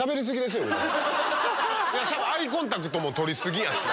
アイコンタクトも取り過ぎやし。